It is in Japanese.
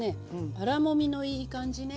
粗もみのいい感じね。